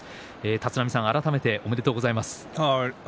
立浪さん、改めておめでとうございます。